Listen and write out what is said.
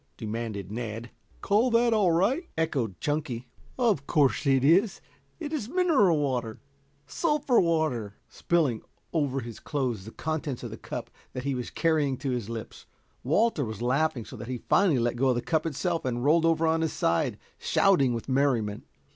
demanded Ned. "Call that all right?" echoed Chunky. "Of course it is. It is mineral water sulphur water," spilling over his clothes the contents of the cup that he was carrying to his lips. Walter was laughing so that he finally let go of the cup itself and rolled over on his side, shouting with merriment.